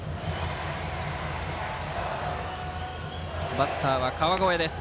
バッターは川越です。